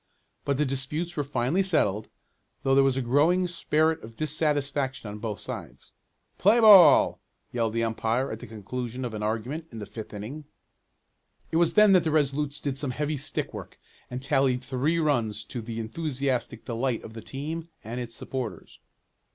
But the disputes were finally settled, though there was a growing spirit of dissatisfaction on both sides. "Play ball!" yelled the umpire, at the conclusion of an argument in the fifth inning. It was then that the Resolutes did some heavy stick work, and tallied three runs to the enthusiastic delight of the team and its supporters.